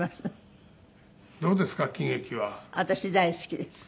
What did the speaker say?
私大好きです。